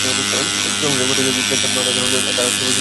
সংসারে কত যে দেখবার ধন দেখা হল না, তারা আত্মবিস্মৃতির কোণে মিলিয়ে আছে।